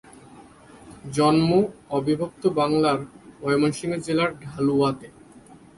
জন্ম অবিভক্ত বাংলার ময়মনসিংহ জেলার ঢালুয়াতে।